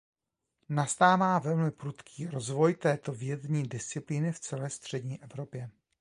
Nastává velmi prudký rozvoj této vědní disciplíny v celé střední Evropě.